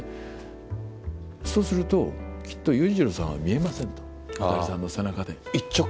そうすると、きっと裕次郎さんは見えませんと、渡さんの背中で。